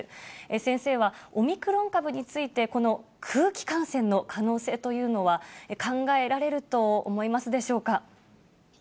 先生はオミクロン株について、この空気感染の可能性というのは、考えられると思いますでしょうか。